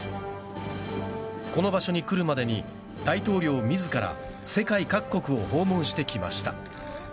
この場所に来るまでに大統領自ら世界各国を訪問してきました。